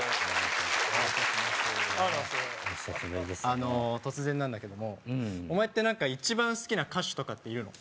あの突然なんだけどもお前って何か一番好きな歌手とかっているの？